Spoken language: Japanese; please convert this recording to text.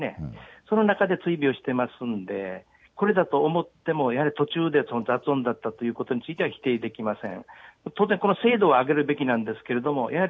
その中で追尾をしていますのでこれだと思ってもやはり途中で雑音だったということについては否定できません。